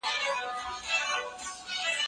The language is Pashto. اخلاق د تمدن په جوړولو کي رول لري.